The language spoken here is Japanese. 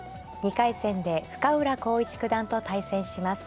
２回戦で深浦康市九段と対戦します。